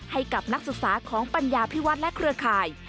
ให้กับนักศึกษาของปัญญาพิวัฒน์และเครือข่าย